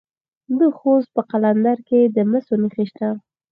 د خوست په قلندر کې د مسو نښې شته.